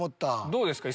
どうですか？